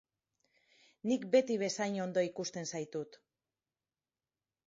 Nik beti bezain ondo ikusten zaitut.